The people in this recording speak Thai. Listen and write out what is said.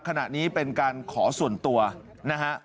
ขณะนี้เป็นการขอส่วนตัวนะฮะ